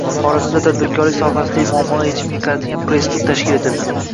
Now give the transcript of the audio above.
Xorazmda tadbirkorlik sohasidagi muammolar yechimiga qaratilgan press-tur tashkil etildi